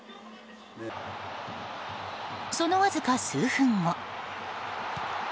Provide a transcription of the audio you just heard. そのわずか数分後。